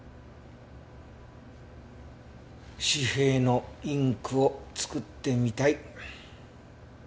紙幣のインクを作ってみたい。